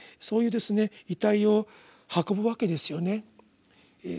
そういう遺体を運ぶわけですよね。